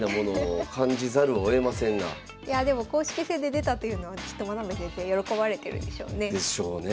いやあでも公式戦で出たというのはきっと真部先生喜ばれてるでしょうね。でしょうね。